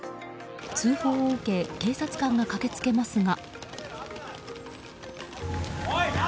通報を受け警察官が駆けつけますが。